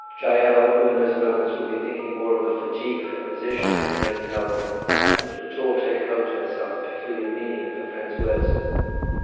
Jael, who in those moments would be thinking more of the fatigue of her position than of anything else, did not at all take home to herself the peculiar meaning of her friend's words.